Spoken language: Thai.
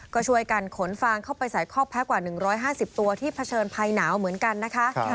ก็ช่วยกันขนฟางเข้าไปใส่คอกแพ้กว่า๑๕๐ตัวที่เผชิญภัยหนาวเหมือนกันนะคะ